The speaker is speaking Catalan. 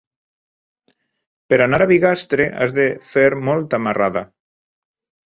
Per anar a Bigastre has de fer molta marrada.